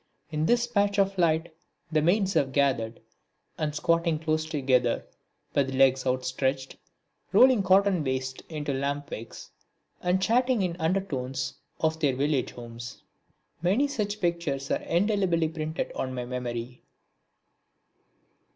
In this patch of light the maids have gathered and are squatting close together, with legs outstretched, rolling cotton waste into lamp wicks, and chatting in undertones of their village homes. Many such pictures are indelibly printed on my memory.